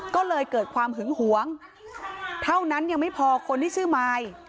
ก็เลยเกิดความหึงหวงเท่านั้นยังไม่พอคนที่ชื่อมาย